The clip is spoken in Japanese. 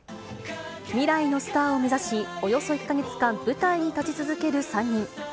未来のスターを目指し、およそ１か月間、舞台に立ち続ける３人。